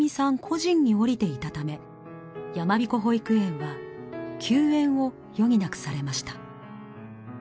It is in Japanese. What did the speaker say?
個人に下りていたため山彦保育園は休園を余儀なくされました。